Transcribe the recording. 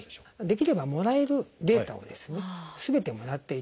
できればもらえるデータをすべてもらっていただきたい。